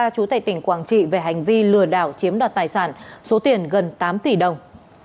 chú tài tỉnh quảng trị về hành vi lừa đảo chiếm đoạt tài sản số tiền gần tám tỷ đồng